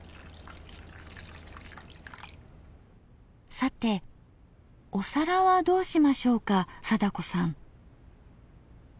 さてお皿はどうしましょうか貞子さん。